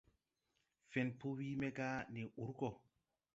Fẽn po wii me gá ndi ur gɔ.